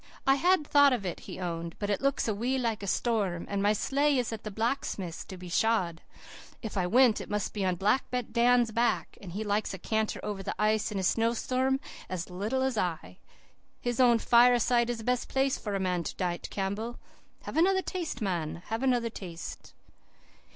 "'I had thought of it,' he owned, 'but it looks a wee like a storm, and my sleigh is at the blacksmith's to be shod. If I went it must be on Black Dan's back, and he likes a canter over the ice in a snow storm as little as I. His own fireside is the best place for a man to night, Campbell. Have another taste, man, have another taste.